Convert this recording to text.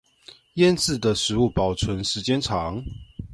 醃制的食物保存時間長